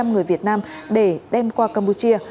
ba mươi năm người việt nam để đem qua campuchia